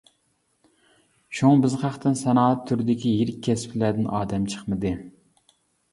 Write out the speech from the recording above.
شۇڭا بىز خەقتىن سانائەت تۈرىدىكى يىرىك كەسىپلەردىن ئادەم چىقمىدى.